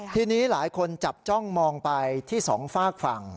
ทีนี้หลายคนจับจ้องมองไปที่สองฝากฝั่ง